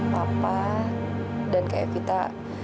papa dan kak evita